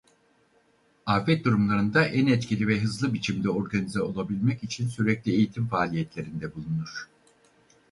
Afet durumlarında en etkili ve hızlı biçimde organize olabilmek için sürekli eğitim faaliyetlerinde bulunur.